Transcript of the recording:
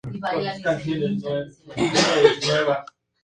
La pareja tuvo una hija llamada Nona y acabó divorciándose un año más tarde.